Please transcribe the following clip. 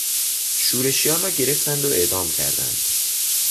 شورشیان را گرفتند و اعدام کردند.